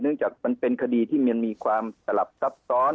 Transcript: จากมันเป็นคดีที่มันมีความสลับซับซ้อน